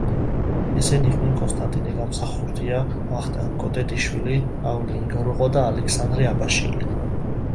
ესენი იყვნენ: კონსტანტინე გამსახურდია, ვახტანგ კოტეტიშვილი, პავლე ინგოროყვა და ალექსანდრე აბაშელი.